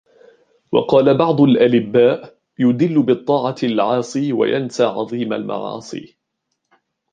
وَقَالَ بَعْضُ الْأَلِبَّاءِ يُدِلُّ بِالطَّاعَةِ الْعَاصِي وَيَنْسَى عَظِيمَ الْمَعَاصِي